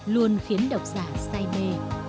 luôn khiến đọc giả say mê